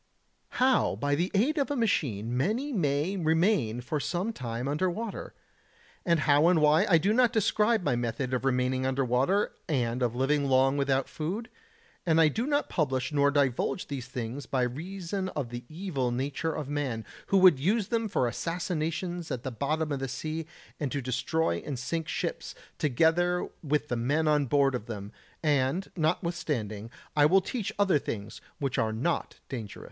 How by the aid of a machine many may remain for some time under water. And how and why I do not describe my method of remaining under water and of living long without food; and I do not publish nor divulge these things by reason of the evil nature of man, who would use them for assassinations at the bottom of the sea and to destroy and sink ships, together with the men on board of them; and notwithstanding I will teach other things which are not dangerous....